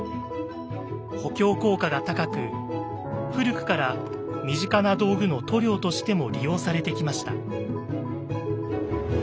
補強効果が高く古くから身近な道具の塗料としても利用されてきました。